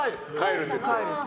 帰るって。